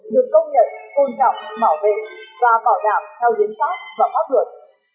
được công nhận côn trọng bảo vệ và bảo đảm theo diễn pháp và pháp luật